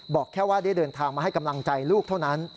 บอกแค่ว่าได้เดินทางมาให้กำลังใจลูกเท่านั้น